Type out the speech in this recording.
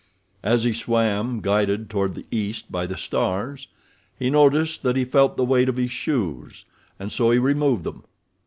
As he swam, guided toward the east by the stars, he noticed that he felt the weight of his shoes, and so he removed them.